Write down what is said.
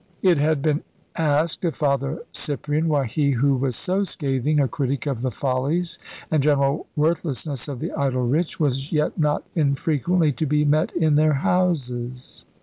It had been asked of Father Cyprian why he, who was so scathing a critic of the follies and general worthlessness of the idle rich, was yet not infrequently to be met in their houses.